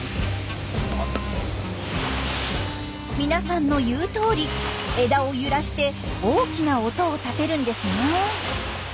みなさんの言うとおり枝を揺らして大きな音を立てるんですね。